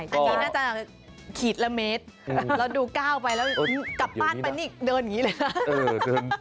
อันนี้น่าจะขีดละเมตรเราดูก้าวไปแล้วกลับบ้านไปนี่เดินอย่างนี้เลยนะ